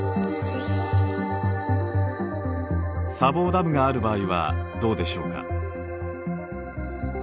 砂防ダムがある場合はどうでしょうか。